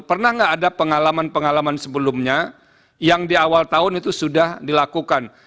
pernah nggak ada pengalaman pengalaman sebelumnya yang di awal tahun itu sudah dilakukan